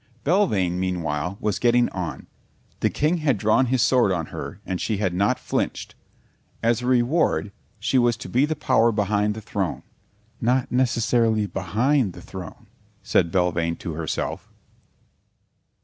Belvane, meanwhile, was getting on. The King had drawn his sword on her and she had not flinched. As a reward she was to be the power behind the throne. "Not necessarily behind the throne," said Belvane to herself.